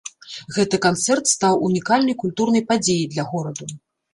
Гэты канцэрт стаў унікальнай культурнай падзеяй для гораду.